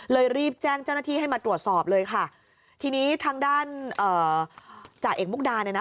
รีบแจ้งเจ้าหน้าที่ให้มาตรวจสอบเลยค่ะทีนี้ทางด้านเอ่อจ่าเอกมุกดาเนี่ยนะ